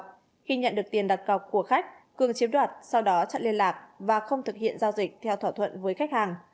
trước khi nhận được tiền đặt cọc của khách cường chiếm đoạt sau đó chặn liên lạc và không thực hiện giao dịch theo thỏa thuận với khách hàng